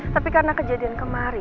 tapi karena kejadian kemarin